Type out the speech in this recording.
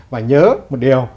và nhớ một điều